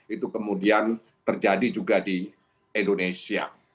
itu kemudian terjadi juga di indonesia